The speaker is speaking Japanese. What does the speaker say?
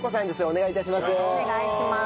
お願い致します。